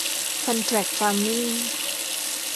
คอนแทร็กฟาร์มมิ่ง